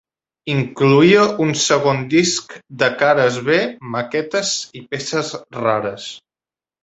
Incloïa un segon disc de cares B, maquetes i peces rares.